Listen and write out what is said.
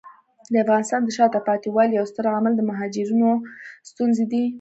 د افغانستان د شاته پاتې والي یو ستر عامل د مهاجرینو ستونزې دي.